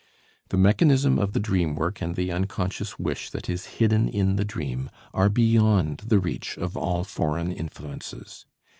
The mechanism of the dream work and the unconscious wish that is hidden in the dream are beyond the reach of all foreign influences.